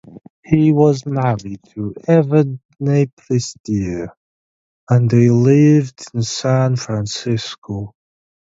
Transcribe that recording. He was married to Evadne Priester and they lived in San Francisco.